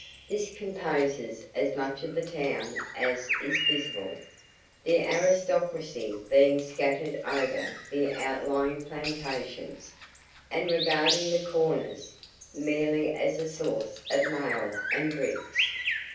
This composes as much of the town as is visible, the aristocracy being scattered over the outlying plantations, and regarding the "Corners" merely as a source of mail and drinks.